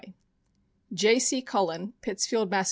C. Cullen, Pittsfield, Mass.